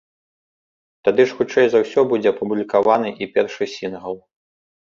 Тады ж хутчэй за ўсё будзе апублікаваны і першы сінгл.